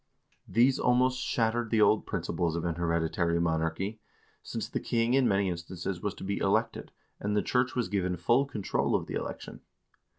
These almost shattered the old principles of an hereditary monarchy, since the king in many instances was to be elected, and the church was given full control of the election.